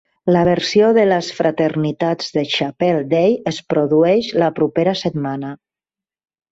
La versió de les fraternitats de Chapel Day es produeix la propera setmana.